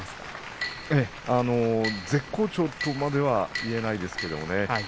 絶好調とまでは、言えないですけどね。